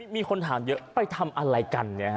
มีคนถามเยอะไปทำอะไรกัน